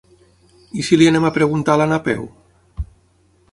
I si li anem a preguntar a la Napeu?